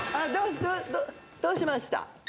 どうしました？